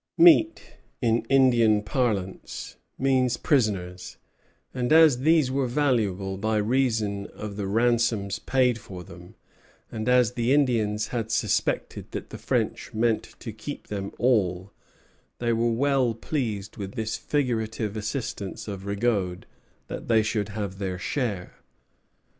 "Meat," in Indian parlance, meant prisoners; and as these were valuable by reason of the ransoms paid for them, and as the Indians had suspected that the French meant to keep them all, they were well pleased with this figurative assurance of Rigaud that they should have their share.